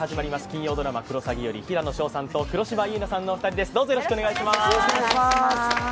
金曜ドラマ「クロサギ」より平野紫耀さんと黒島結菜さんのお二人です！